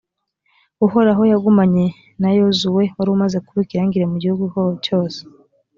uhoraho yagumanye na yozuwe, wari umaze kuba ikirangirire mu gihugu cyose.